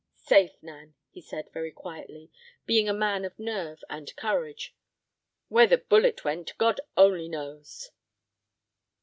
"Safe, Nan," he said, very quietly, being a man of nerve and courage; "where the bullet went, God only knows!"